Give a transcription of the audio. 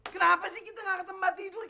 kenapa sih kita nggak ke tempat tidur